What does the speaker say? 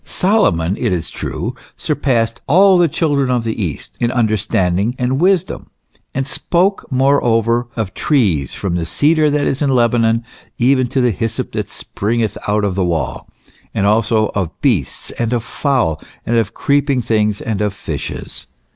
Solomon, it is true, surpassed " all the children of the east" in understanding and wisdom, and spoke (treated, agebat) moreover " of trees, from the cedar that is in Lebanon, even unto the hyssop that springeth out of the wall," and also of " beasts and of fowl, and of creeping things, and of fishes" (1 Kings iv. 30, 34).